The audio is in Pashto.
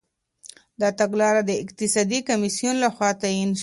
دا تګلاره د اقتصادي کميسيون لخوا تاييد سوه.